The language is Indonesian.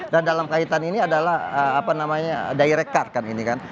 dan dalam kaitan ini adalah apa namanya direct card kan ini kan